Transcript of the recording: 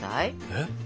えっ？